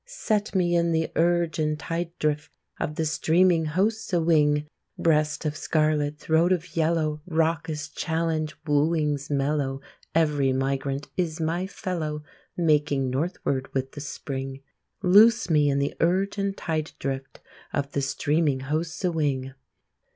Set me in the urge and tide drift Of the streaming hosts a wing! Breast of scarlet, throat of yellow, Raucous challenge, wooings mellow Every migrant is my fellow, Making northward with the spring. Loose me in the urge and tide drift Of the streaming hosts a wing!